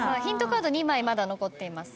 カード２枚まだ残っています。